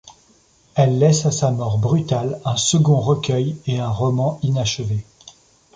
Elle laisse à sa mort brutale un second recueil et un roman inachevé.